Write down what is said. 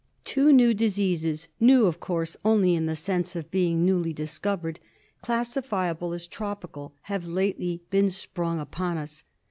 Two new diseases (new, of course, only in the sense of being newly discovered) classifiable as tropical have lately been sprung upon us.